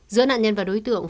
giữa nạn nhân và đối tượng